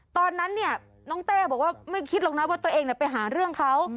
ตอนนั้นเนี่ยน้องเต้บอกว่าไม่คิดหรอกนะว่าตัวเองไปหาเรื่องเขา